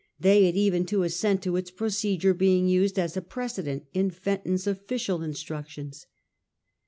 They had even to assent to its procedure being used as a precedent in Fenton's official instructions.